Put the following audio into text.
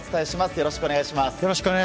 よろしくお願いします。